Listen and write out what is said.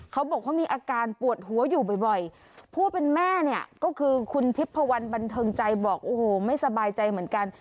เขาบอกว่ามีอาการปวดหัวอยู่บ่อยผู้เป็นแม่เนี่ยก็คือคุณทิพพวันบันเทิงใจบอกโอ้โหไม่สบายใจเหมือนกัน